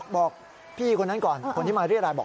บอกพี่คนนั้นก่อนคนที่มาเรียรายบอก